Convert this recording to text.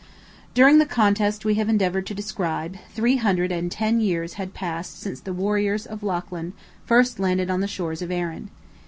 During the contest we have endeavoured to describe, three hundred and ten years had passed since the warriors of Lochlin first landed on the shores of Erin.